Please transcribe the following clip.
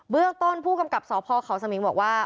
เรื่องต้นผู้กำกับสพเขาสมิงบอกว่า